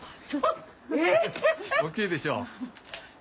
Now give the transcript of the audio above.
大きいでしょ。